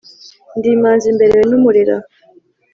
ndi imanzi mberewe n'umurera.